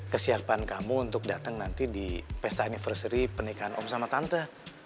kesiapan kamu untuk datang nanti di pesta universary pernikahan om sama tante